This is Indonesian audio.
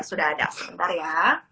sudah ada sebentar ya